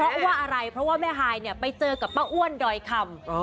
เพราะว่าอะไรเพราะว่าแม่ฮายเนี่ยไปเจอกับป้าอ้วนดอยคำ